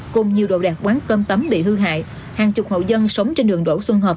cùng nhiều đồ đạc quán cơm tấm bị hư hại hàng chục hậu dân sống trên đường đỗ xuân hợp